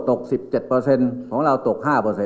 ตก๑๗ของเราตก๕